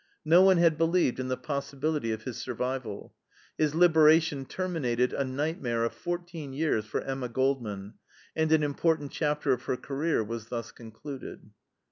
No one had believed in the possibility of his survival. His liberation terminated a nightmare of fourteen years for Emma Goldman, and an important chapter of her career was thus concluded.